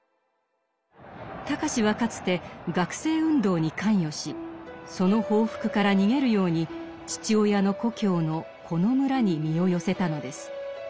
隆はかつて学生運動に関与しその報復から逃げるように父親の故郷のこの村に身を寄せたのです。